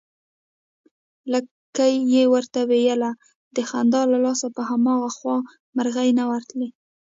لکۍ يې ورته ويله، د خندا له لاسه په هماغه خوا مرغۍ نه ورتلې